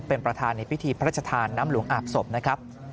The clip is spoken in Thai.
เป็นประธานในพิธีพระราชทานน้ำหลวงอาบศพนะครับ